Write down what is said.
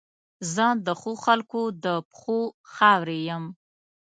زه د ښو خلګو د پښو خاورې یم.